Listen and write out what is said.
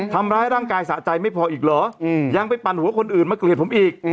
ทำร้ายร่างกายสะใจไม่พออีกเหรอยังไปปั่นหัวคนอื่นมาเกลียดผมอีก